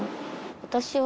私は。